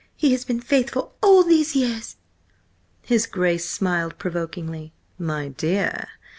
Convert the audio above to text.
He has been faithful all these years!" His Grace smiled provokingly. "My dear—!"